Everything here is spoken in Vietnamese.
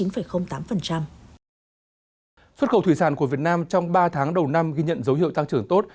xuất khẩu thủy sản của việt nam trong ba tháng đầu năm ghi nhận dấu hiệu tăng trưởng tốt